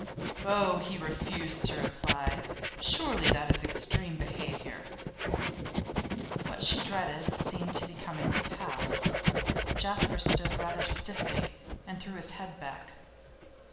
'Oh, he refused to reply! Surely that is extreme behaviour.' What she dreaded seemed to be coming to pass. Jasper stood rather stiffly, and threw his head back.